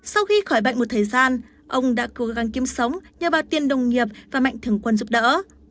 sau khi khỏi bệnh một thời gian ông đã cố gắng kiếm sống nhờ bà tiên đồng nghiệp và mạnh thường quân giúp đỡ